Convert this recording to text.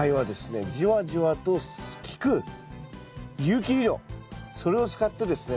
じわじわと効く有機肥料それを使ってですね